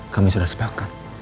kami sudah sepakat